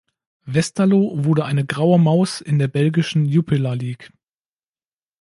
Westerlo wurde eine "Graue Maus" in der belgischen Jupiler League.